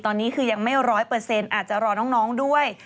ตอนนี้คือยังไม่ร้อยเปอร์เซ็นต์อาจจะรอน้องด้วย